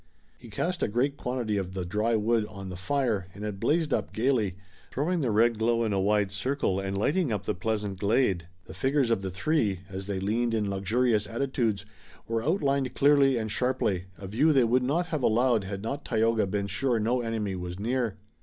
He cast a great quantity of the dry wood on the fire, and it blazed up gayly, throwing the red glow in a wide circle, and lighting up the pleasant glade. The figures of the three, as they leaned in luxurious attitudes, were outlined clearly and sharply, a view they would not have allowed had not Tayoga been sure no enemy was near.